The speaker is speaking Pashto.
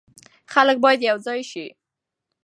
خلک باید یو ځای شي.